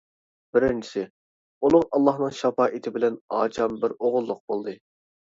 بىرىنچىسى، ئۇلۇغ ئاللانىڭ شاپائىتى بىلەن ئاچام بىر ئوغۇللۇق بولدى.